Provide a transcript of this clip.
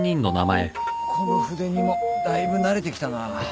この筆にもだいぶ慣れてきたな。